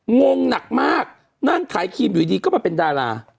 งงหนักมากนั่งขายครีมอยู่ดีก็มาเป็นดารา